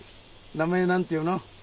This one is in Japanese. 名前なんていうの？